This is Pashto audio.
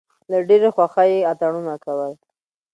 له ډېرې خوښۍ یې اتڼونه کول.